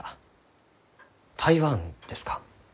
台湾ですか？